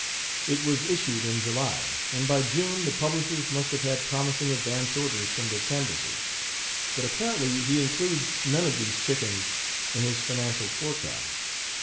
It was issued in July, and by June the publishers must have had promising advance orders from their canvassers; but apparently he includes none of these chickens in his financial forecast.